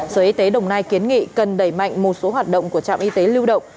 sở y tế đồng nai kiến nghị cần đẩy mạnh một số hoạt động của trạm y tế lưu động